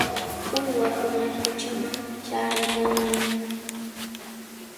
Uywakuna quchaman chaariyannami.